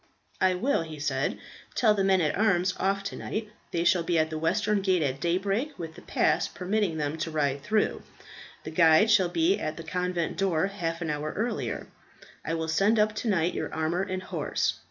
"I will," he said, "tell the men at arms off to night. They shall be at the western gate at daybreak with the pass permitting them to ride through. The guide shall be at the convent door half an hour earlier. I will send up to night your armour and horse.